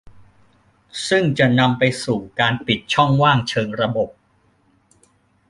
ซึ่งจะนำไปสู่การปิดช่องว่างเชิงระบบ